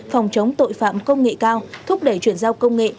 phòng chống tội phạm công nghệ cao thúc đẩy chuyển giao công nghệ